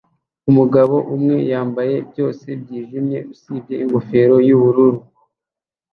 Umugabo umwe yambaye byose byijimye usibye ingofero yubururu